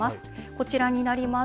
こちらになります。